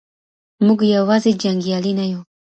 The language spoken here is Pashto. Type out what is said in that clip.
موږ یوازې جنګیالي نه یو.